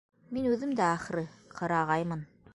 Мин үҙем дә, ахры, ҡырағаймын.